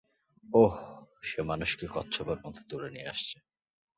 ওহ্, সে মানুষকে কচ্ছপের মতো তুলে নিয়ে আসছে।